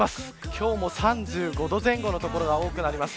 今日も３５度前後の所が多くなります。